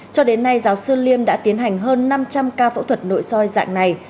cho đến nay giáo sư liêm đã tiến hành hơn năm trăm linh ca phẫu thuật nội soi dạng này